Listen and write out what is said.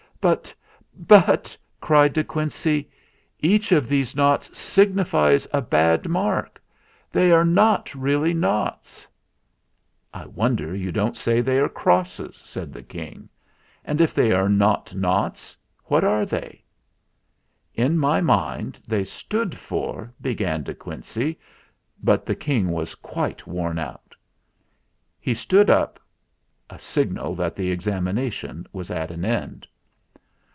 "But but " cried De Quincey, "each of these noughts signifies a bad mark. They are not really noughts." THE JACKY TOAD FAILS 259 "I wonder you don't say they are crosses," said the King. "And if they are not noughts, what are they?" "In my mind they stood for " began De Quincey ; but the King was quite worn out. He stood up a signal that the Examination was at an end.